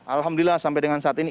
alhamdulillah sampai dengan saat ini